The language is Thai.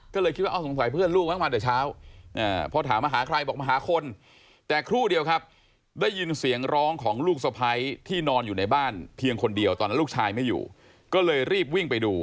ก็เลยคิดว่าสงสัยเพื่อนลูกมั้งมาแต่เช้าพอถามมาหาใครบอกมาหาคนแต่ครู่เดียวครับได้ยินเสียงร้องของลูกสะพ้ายที่นอนอยู่ในบ้านเพียงคนเดียวตอนนั้นลูกชายไม่อยู่ก็เลยรีบวิ่งไปดู